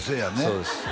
そうです